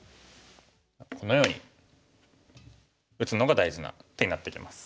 このように打つのが大事な手になってきます。